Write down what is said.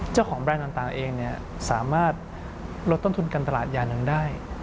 แบรนด์ต่างเองสามารถลดต้นทุนการตลาดอย่างหนึ่งได้